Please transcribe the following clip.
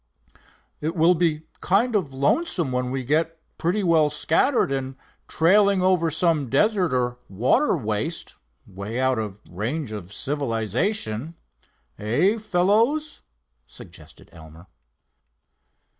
"It will be kind of lonesome when we get pretty well scattered, and trailing over some desert or water waste, way out of range of civilization; eh, fellows?" suggested Elmer.